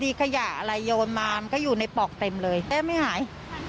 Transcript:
มีขยะอะไรโยนมามันก็อยู่ในปอกเต็มเลยแทบไม่หาย